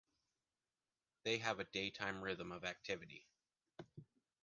They have a daytime rhythm of activity.